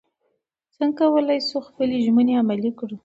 څنګه کولی شو خپلې ژمنې عملي کړو؟